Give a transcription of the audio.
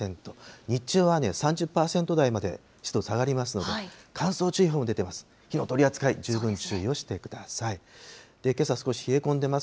日中は３０％台まで湿度下がりますので、乾燥注意報も出ています。